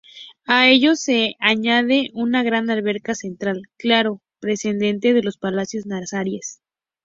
A ello se añade una gran alberca central, claro precedente de los palacios nazaríes.